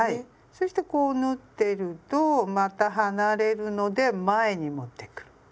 そしてこう縫ってるとまた離れるので前に持ってくる。